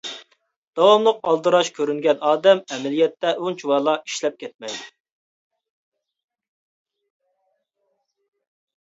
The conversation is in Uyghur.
-داۋاملىق ئالدىراش كۆرۈنگەن ئادەم ئەمەلىيەتتە ئۇنچىۋالا ئىشلەپ كەتمەيدۇ.